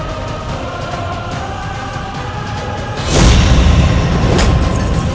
itu bukan adabku